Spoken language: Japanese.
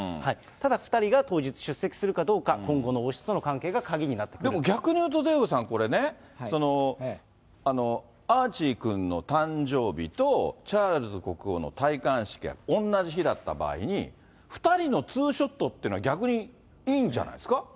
ただ、２人が当日、出席するかどうか、今後の王室との関係が鍵に逆にいうとデーブさん、これね、アーチーくんの誕生日とチャールズ国王の戴冠式が同じ日だった場合に、２人のツーショットというのは、逆にいいんじゃないですか。